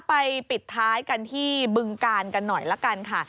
ปิดท้ายกันที่บึงกาลกันหน่อยละกันค่ะ